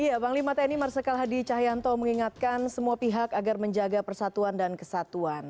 iya panglima tni marsikal hadi cahyanto mengingatkan semua pihak agar menjaga persatuan dan kesatuan